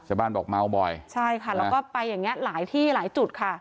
ชาวบ้านบอกเมาบ่อยใช่ค่ะแล้วก็ไปอย่างเงี้หลายที่หลายจุดค่ะ